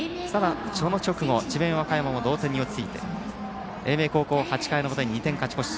その直後、智弁和歌山も同点に追いついて英明高校８回の表に２点勝ち越し。